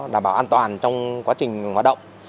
đảm bảo an toàn trong quá trình hoạt động